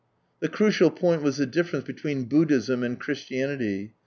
Tlie crucial point was the difference between Buddhism and Clirislianily.